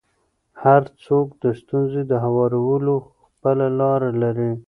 هر څوک د ستونزو د هوارولو خپله لاره لري.